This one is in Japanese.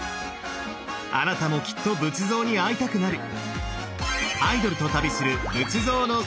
あなたもきっと仏像に会いたくなる！